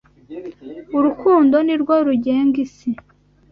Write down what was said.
Urukundo nirwo rugenga isi.